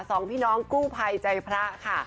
สองพี่น้องกู้ภัยใจพระค่ะ